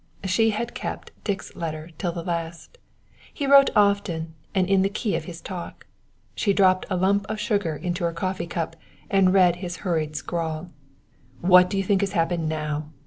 She had kept Dick's letter till the last. He wrote often and in the key of his talk. She dropped a lump of sugar into her coffee cup and read his hurried scrawl: "What do you think has happened now?